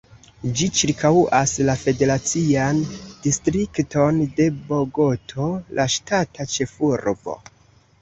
Ĝi ĉirkaŭas la federacian distrikton de Bogoto, la ŝtata ĉefurbo.